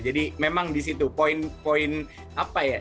jadi memang di situ poin poin apa ya